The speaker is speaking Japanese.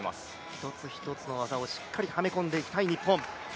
１つ１つの技をしっかりはめ込んでいきたい日本。